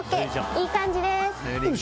いい感じです。